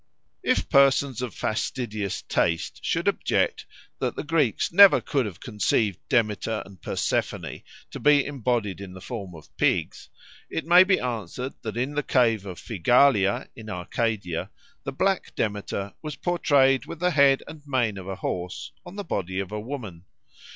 If persons of fastidious taste should object that the Greeks never could have conceived Demeter and Persephone to be embodied in the form of pigs, it may be answered that in the cave of Phigalia in Arcadia the Black Demeter was portrayed with the head and mane of a horse on the body of a woman.